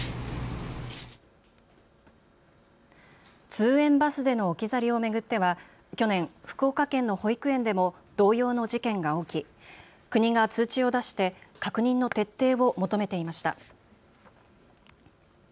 通園バスでの置き去りを巡っては去年、福岡県の保育園でも同様の事件が起き、国が通知を出して確認の徹底を求めていました。